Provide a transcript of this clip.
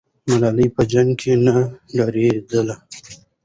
ملالۍ په جنګ کې نه ډارېده.